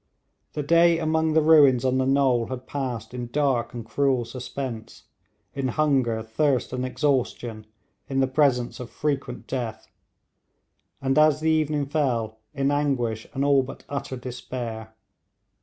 The day among the ruins on the knoll had passed in dark and cruel suspense in hunger, thirst, and exhaustion, in the presence of frequent death; and as the evening fell, in anguish and all but utter despair.